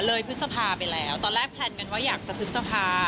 พฤษภาไปแล้วตอนแรกแพลนกันว่าอยากจะพฤษภา